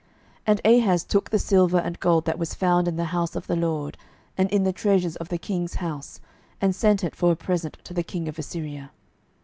12:016:008 And Ahaz took the silver and gold that was found in the house of the LORD, and in the treasures of the king's house, and sent it for a present to the king of Assyria.